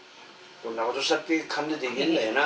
どんなことしたって管理できるんだよな